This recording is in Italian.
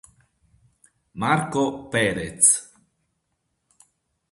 Marco Pérez